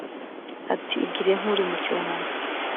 ati igire nk uri mu cyunamo